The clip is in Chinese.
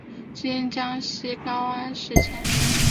今江西省高安市前身。